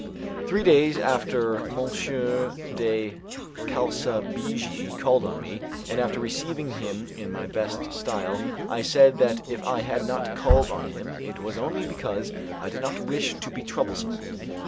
Three days after, M. de Calsabigi called on me; and after receiving him in my best style I said that if I had not called on him it was only because I did not wish to be troublesome.